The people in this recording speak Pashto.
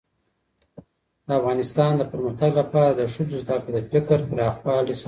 . د افغانستان د پرمختګ لپاره د ښځو زدهکړه د فکر پراخوالي سبب ده